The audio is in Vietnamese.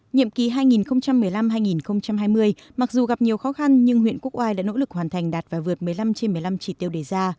nhiệm kỳ hai nghìn một mươi năm hai nghìn hai mươi mặc dù gặp nhiều khó khăn nhưng huyện quốc oai đã nỗ lực hoàn thành đạt và vượt một mươi năm trên một mươi năm chỉ tiêu đề ra